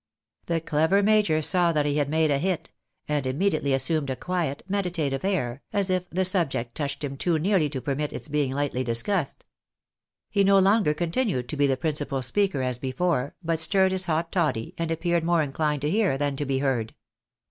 The clever major saw that he had made a hit, and immediately assumed a quiet, meditative air, as if the subject touched him too nearly to permit its being lightly discussed. He no longer con tinued to be the principal speaker as before, but stirred his hot toddy, and appeared more inclined to hear than to be heard.